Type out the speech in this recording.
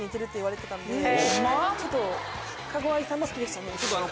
って言われてたんで。